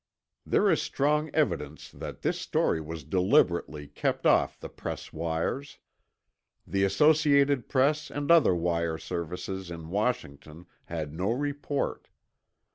There is strong evidence that this story was deliberately kept off the press wires. The Associated Press and other wire services in Washington had no report.